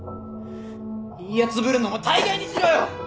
いいやつぶるのも大概にしろよ！